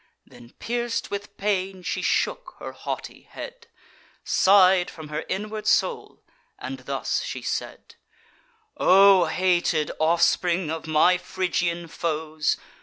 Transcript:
Then, pierc'd with pain, she shook her haughty head, Sigh'd from her inward soul, and thus she said: "O hated offspring of my Phrygian foes!